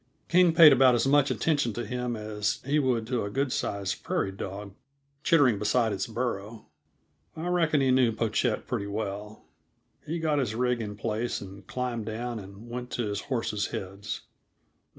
King paid about as much attention to him as he would to a good sized prairie dog chittering beside its burrow. I reckon he knew Pochette pretty well. He got his rig in place and climbed down and went to his horses' heads.